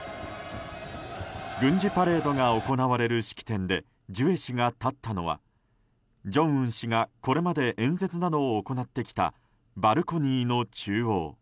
軍事パレードが行われる式典でジュエ氏が立ったのは正恩氏がこれまで演説などを行ってきたバルコニーの中央。